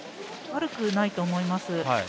悪くないと思います。